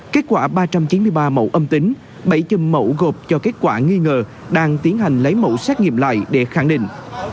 kết quả ba trăm chín mươi ba mẫu âm tính bảy chầm mẫu gộp cho kết quả nghi ngờ đang tiến hành lấy mẫu xét nghiệm lại để khẳng định